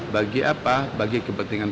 bagi apa bagi kepentingan